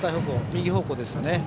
右方向ですね。